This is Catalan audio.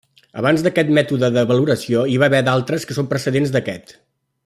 Abans d'aquest mètode de valoració hi va haver d'altres que són precedents d'aquest.